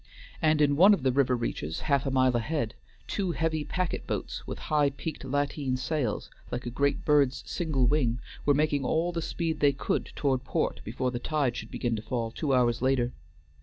And in one of the river reaches half a mile ahead, two heavy packet boats, with high peaked lateen sails, like a great bird's single wing, were making all the speed they could toward port before the tide should begin to fall two hours later.